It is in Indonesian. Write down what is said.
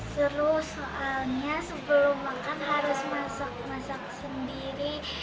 seru soalnya sebelum makan harus masak masak sendiri